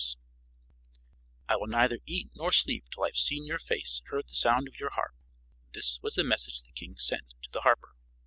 ] "I will neither eat nor sleep till I have seen your face and heard the sound of your harp." This was the message the king sent to the harper.